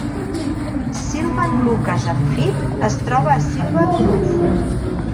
Sylvan-Lucas Unified es troba a Sylvan Grove.